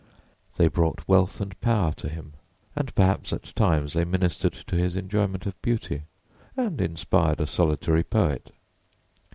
The brought wealth and power to him, and perhaps at times they ministered to his enjoyment of beauty, and inspired a solitary poet.